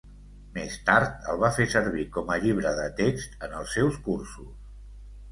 Més tard el va fer servir com a llibre de text en els seus cursos.